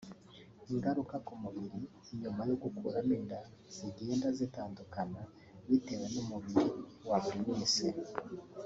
Ingaruka ku mubiri nyuma yo gukuramo inda zignda zitandukana bitewe n’umubiri wa buri wese